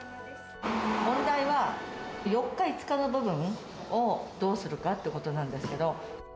問題は、４日、５日の部分をどうするかってことなんですけど。